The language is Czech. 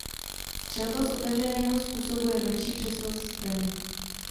Střelba z otevřeného způsobuje menší přesnost zbraně.